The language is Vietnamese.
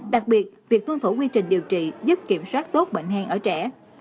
đặc biệt việc tuân thủ quy trình điều trị giúp kiểm soát tốt bệnh hen ở trẻ